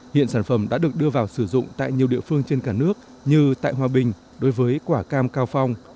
hiện sản phẩm đã được đưa vào sử dụng tại nhiều địa phương trên cả nước như tại hòa bình đối với quả cam cao phong